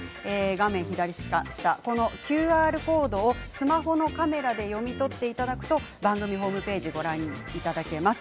画面左下のＱＲコードをスマホのカメラで読み取っていただくと番組ホームページをご覧いただけます。